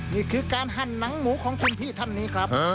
นี่คือการหั่นหนังหมูของคุณพี่ท่านนี้ครับ